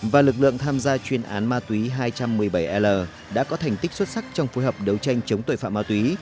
và lực lượng tham gia chuyên án ma túy hai trăm một mươi bảy l đã có thành tích xuất sắc trong phối hợp đấu tranh chống tội phạm ma túy